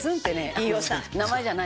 飯尾さん。